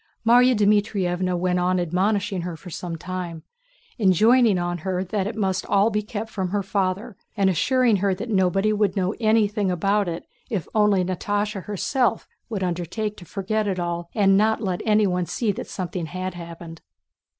Márya Dmítrievna went on admonishing her for some time, enjoining on her that it must all be kept from her father and assuring her that nobody would know anything about it if only Natásha herself would undertake to forget it all and not let anyone see that something had happened.